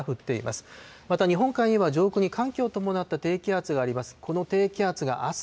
また日本海では上空に寒気を伴った低気圧があります。